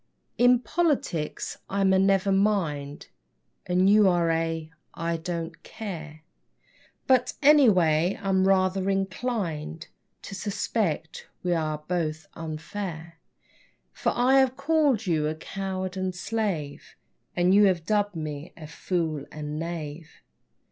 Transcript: In politics I'm a never mind, And you are a I don't care, But, anyway, I am rather inclined To suspect we are both unfair; For I have called you a coward and slave And you have dubbed me a fool and knave.